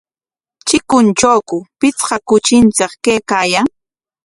¿Chikuntrawku pichqa kuchinchik kaykaayan?